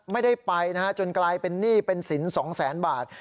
ไม่ได้ไปนะฮะจนกลายเป็นหนี้เป็นสิน๒แสนบาท